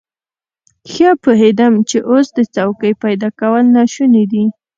ښه پوهېدم چې اوس د څوکۍ پيدا کول ناشوني دي.